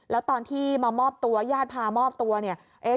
แล้วตอนที่มามอบตัวญาติพามอบตัวเนี่ย